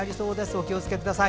お気をつけください。